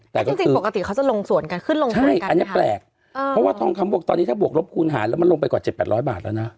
เพราะว่าทองคำบวกตอนนี้ถ้าบวกลบคูณหารด้วยมันลงไปกว่าเจ็ดแบบร้อยบาทแล้วน่ะ